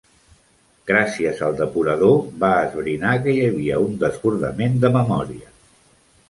Gràcies al depurador, va esbrinar que hi havia un desbordament de memòria.